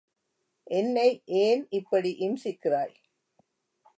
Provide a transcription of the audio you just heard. என்னை ஏன் இப்படி இம்சிக்கிறாய்?